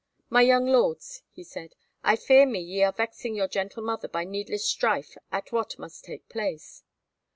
"My young lords," he said, "I fear me ye are vexing your gentle mother by needless strife at what must take place."